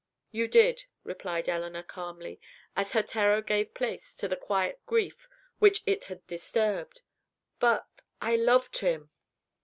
"You did," replied Elinor, calmly, as her terror gave place to the quiet grief which it had disturbed. "But I loved him!"